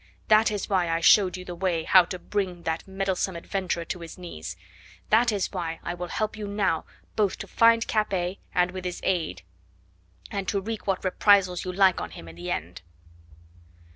That is why I showed you the way how to bring that meddlesome adventurer to his knees; that is why I will help you now both to find Capet and with his aid and to wreak what reprisals you like on him in the end."